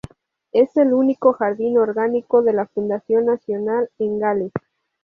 Es el único jardín orgánico de la "Fundación Nacional" en Gales.